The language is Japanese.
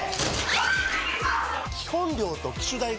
基本料と機種代が